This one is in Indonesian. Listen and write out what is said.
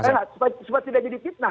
supaya tidak dikitnah